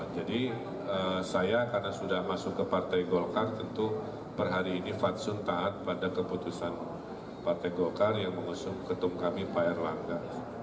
saya karena sudah masuk ke partai golkar tentu per hari ini fadsun taat pada keputusan partai golkar yang mengusung ketum kami pak erlangga